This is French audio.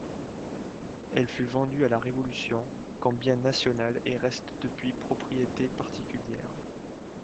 Elle fut vendue à la Révolution comme bien national et reste depuis propriété particulière.